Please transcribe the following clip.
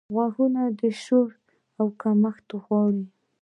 غوږونه د شور کمښت غواړي